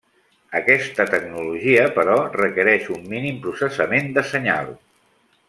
Aquesta tecnologia, però, requereix un mínim processament de senyal.